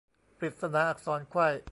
ปริศนาอักษรไขว้